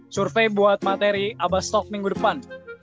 survei buat materi abas talk minggu depan